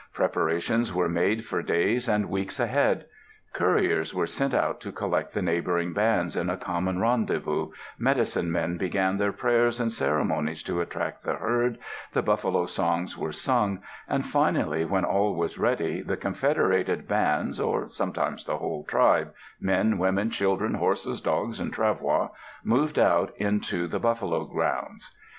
Preparations were made for days and weeks ahead. Couriers were sent out to collect the neighboring bands at a common rendezvous, medicine men began their prayers and ceremonies to attract the herd, the buffalo songs were sung, and finally when all was ready the confederated bands or sometimes the whole tribe men, women, children, horses, dogs, and travois moved out into the buffalo grounds.